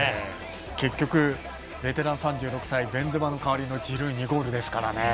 結局ベテラン３６歳ベンゼマの代わりのジルー、２ゴールですからね。